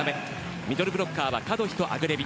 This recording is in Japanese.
ミドルブロッカーはカドヒとアグレビ。